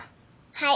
はい。